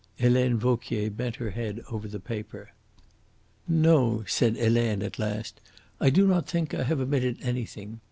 Helene Vauquier bent her head over the paper. "No," said Helene at last. "I do not think I have omitted anything."